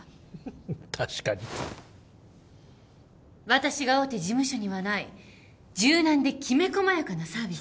私が大手事務所にはない柔軟できめ細やかなサービスを。